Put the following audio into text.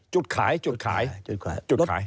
จุดขายจุดขายจุดขาย